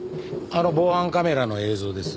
あの防犯カメラの映像です。